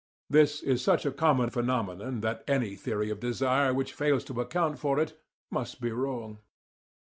This is such a common phenomenon that any theory of desire which fails to account for it must be wrong.